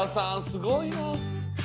すごいな」